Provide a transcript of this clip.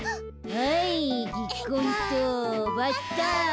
はいぎっこんとばったん。